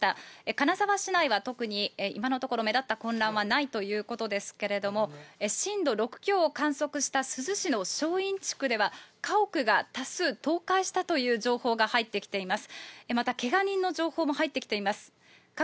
金沢市内は特に、今のところ、目立った混乱はないということですけれども、震度６強を観測した珠洲市の正院地区では、家屋が多数、倒壊したという情報が入ってきています。